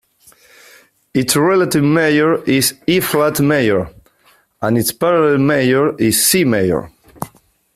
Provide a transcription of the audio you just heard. Its relative major is E-flat major, and its parallel major is C major.